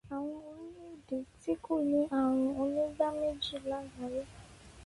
Àwọn orílẹ́-èdè tí kò ní ààrùn onígbáméjì lágbàáyé.